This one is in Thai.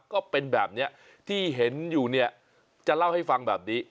ก็เป็นแบบนี้ที่เห็นอยู่เนี่ยจะเล่าให้ฟังแบบนี้